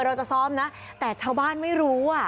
เราจะซ้อมนะแต่ชาวบ้านไม่รู้อ่ะ